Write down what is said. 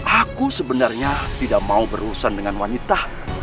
aku sebenarnya tidak mau berurusan dengan wanita